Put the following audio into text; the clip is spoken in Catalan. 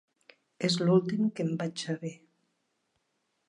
És l'últim que en vaig saber.